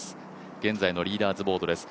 現在のリーダーズボードです。